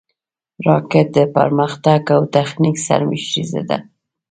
راکټ د پرمختګ او تخنیک سرمشریزه ده